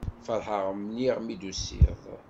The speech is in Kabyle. Feṛḥeɣ mliḥ mi d-tusiḍ.